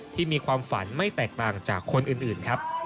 มีความฝันไม่แตกต่างจากคนอื่นครับ